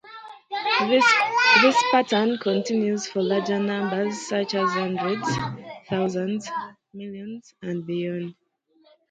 This pattern continues for larger numbers, such as hundreds, thousands, millions, and beyond.